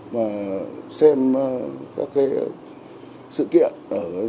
và xem các sự kiện